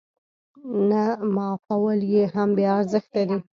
نه معافول يې هم بې ارزښته دي.